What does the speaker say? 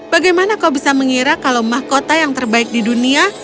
bagaimana kau bisa mengira kalau mahkota yang terbaik di dunia